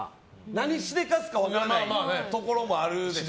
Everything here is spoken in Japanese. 何しでかすか分からないところもある。